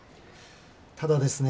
ただですね